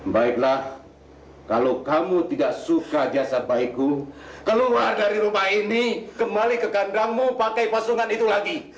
baiklah kalau kamu tidak suka jasad baikku keluar dari rumah ini kembali ke kandangmu pakai pasungan itu lagi